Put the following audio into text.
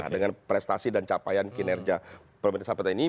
dengan prestasi dan capaian kinerja pemirsa pt ini